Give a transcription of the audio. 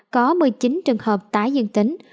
có một mươi chín trường hợp tái dân tính